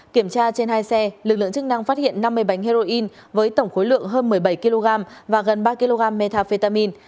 kiểm tra trên hai xe lực lượng chức năng phát hiện năm mươi bánh heroin với tổng khối lượng hơn một mươi bảy kg và gần ba kg metafetamin